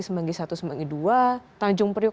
sembanggi satu sembanggi dua tanjung priok